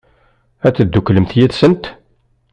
Ad tedduklemt yid-sent?